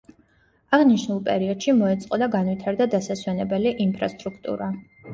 აღნიშნულ პერიოდში მოეწყო და განვითარდა დასასვენებელი ინფრასტრუქტურა.